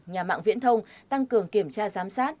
nhà mạng viễn thông tăng cường kiểm tra giám sát